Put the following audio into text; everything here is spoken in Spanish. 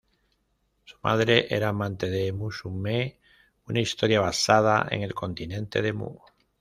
Su madre era amante de "Musume", una historia basada en el continente de Mu.